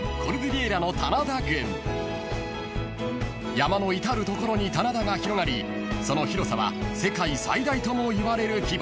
［山の至る所に棚田が広がりその広さは世界最大ともいわれる規模］